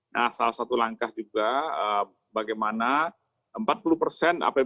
nah salah satu langkah juga bagaimana empat puluh persen apbn